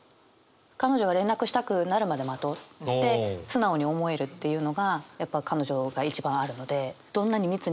彼女が連絡したくなるまで待とうって素直に思えるっていうのがやっぱ彼女が一番あるので。